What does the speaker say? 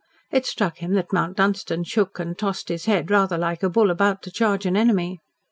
It struck him that Mount Dunstan shook and tossed his head rather like a bull about to charge an enemy.